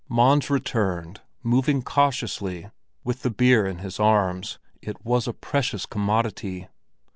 Mons returned, moving cautiously, with the beer in his arms; it was a precious commodity.